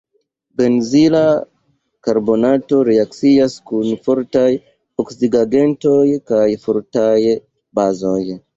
Benzila karbonato reakcias kun fortaj oksidigagentoj kaj fortaj bazoj.